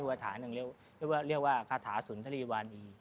กรรมฐานนึงเรียกว่าเรียกว่ากระถาสุนตรีวานี